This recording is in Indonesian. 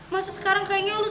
masa sekarang kayaknya lo